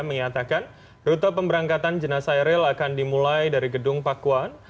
menyatakan rute pemberangkatan jenazah eril akan dimulai dari gedung pakuan